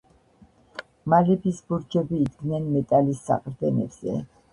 მალების ბურჯები იდგნენ მეტალის საყრდენებზე.